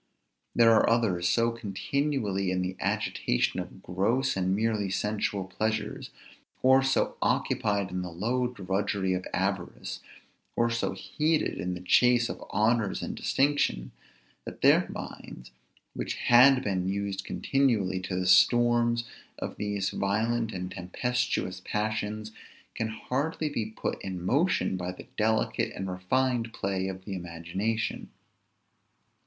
There are others so continually in the agitation of gross and merely sensual pleasures, or so occupied in the low drudgery of avarice, or so heated in the chase of honors and distinction, that their minds, which had been used continually to the storms of these violent and tempestuous passions, can hardly be put in motion by the delicate and refined play of the imagination.